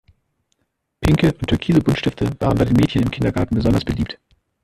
Pinke und türkise Buntstifte waren bei den Mädchen im Kindergarten besonders beliebt.